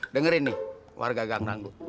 dengerin nih warga gangdangdut